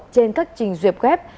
trên các trình duyệt web